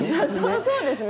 そうですね。